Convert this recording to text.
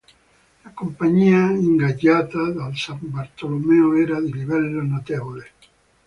La compagnia ingaggiata dal San Bartolomeo era di livello notevole.